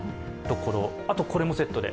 あとこれもセットで。